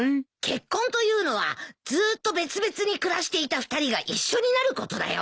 結婚というのはずーっと別々に暮らしていた二人が一緒になることだよ。